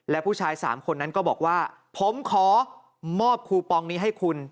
และผู้ชาย๓คนนั้นก็บอกว่าผมขอมอบคูปองนี้ให้คุณ